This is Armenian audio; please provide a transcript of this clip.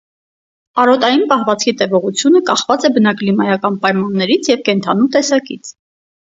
Արոտային պահվածքի տևողությունը կախված է բնակլիմայական պայմաններից և կենդանու տեսակից։